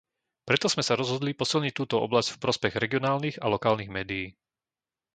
Preto sme sa rozhodli posilniť túto oblasť v prospech regionálnych a lokálnych médií.